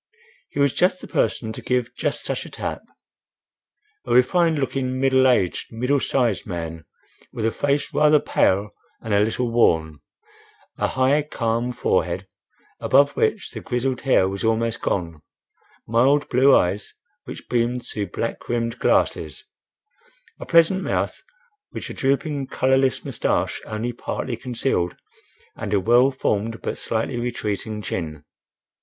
He was just the person to give just such a tap: a refined looking, middle aged, middle sized man, with a face rather pale and a little worn; a high, calm forehead, above which the grizzled hair was almost gone; mild, blue eyes which beamed through black rimmed glasses; a pleasant mouth which a drooping, colorless moustache only partly concealed, and a well formed but slightly retreating chin.